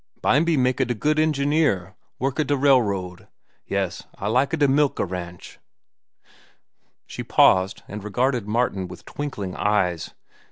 Bimeby maka da good engineer, worka da railroad. Yes, I lika da milka ranch." She paused and regarded Martin with twinkling eyes.